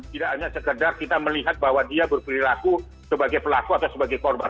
tidak hanya sekedar kita melihat bahwa dia berperilaku sebagai pelaku atau sebagai korban